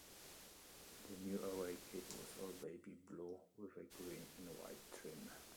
The new away kit was all-baby blue with a green and white trim.